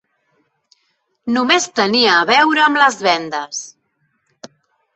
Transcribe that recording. Només tenia a veure amb les vendes.